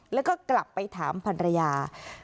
แล้วก็กลับไปถามพันรยา